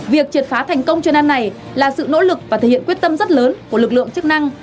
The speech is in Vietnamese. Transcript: việc triệt phá thành công chuyên án này là sự nỗ lực và thể hiện quyết tâm rất lớn của lực lượng chức năng